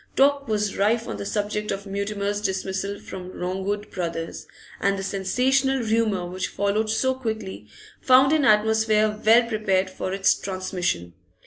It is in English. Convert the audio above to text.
Talk was rife on the subject of Mutimer's dismissal from Longwood Brothers', and the sensational rumour which followed so quickly found an atmosphere well prepared for its transmission.